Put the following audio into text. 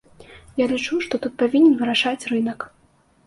Я лічу, што тут павінен вырашаць рынак.